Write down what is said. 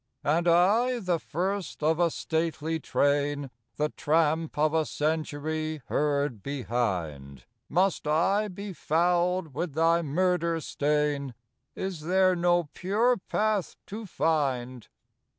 " And I, the first of a stately train, The tramp of a century heard behind, Must I be fouled with thy murder stain? Is there no pure path to find?